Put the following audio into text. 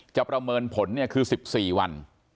จะประเมินผลคือ๑๔วัน